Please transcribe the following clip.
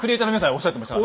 おっしゃってた？